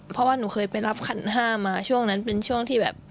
เพราะว่าหนูเคยไปรับขันห้ามาช่วงนั้นเป็นช่วงที่แบบ